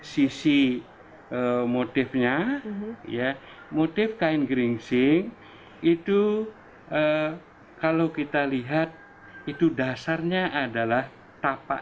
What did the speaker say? sisi motifnya ya motif kain geringsing itu kalau kita lihat itu dasarnya adalah tapak